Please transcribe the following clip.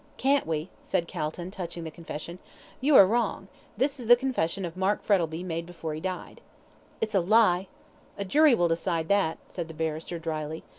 "Can't we?" said Calton, touching the confession. "You are wrong. This is the confession of Mark Frettlby made before he died." "It's a lie." "A jury will decide that," said the barrister, dryly.